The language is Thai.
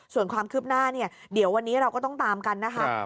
ส่วนความคืบหน้าเนี่ยเดี๋ยววันนี้เราก็ต้องตามกันนะคะ